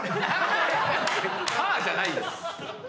「はぁ」じゃないです。